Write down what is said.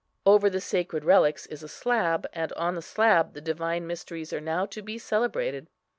Over the sacred relics is a slab, and on the slab the Divine Mysteries are now to be celebrated.